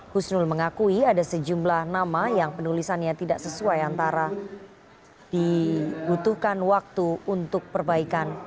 husnul mengakui ada sejumlah nama yang penulisannya tidak sesuai antara dibutuhkan waktu untuk perbaikan